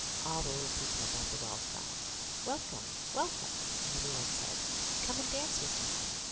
All the little people about the well cried: "Welcome! welcome!" and every one said: "Come and dance with me!"